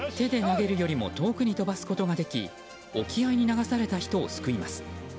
手で投げるよりも遠くに飛ばすことができ沖合に流された人を救います。